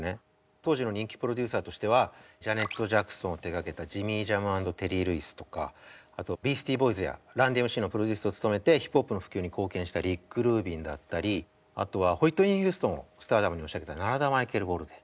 当時の人気プロデューサーとしてはジャネット・ジャクソンを手がけたジミー・ジャム＆テリー・ルイスとかあとビースティ・ボーイズやＲＵＮＤＭＣのプロデュースを務めてヒップホップの普及に貢献したリック・ルービンだったりあとはホイットニー・ヒューストンをスターダムに押し上げたナラダ・マイケル・ウォルデン。